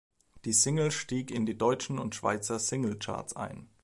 Die Single stieg in die deutschen und Schweizer Singlecharts ein.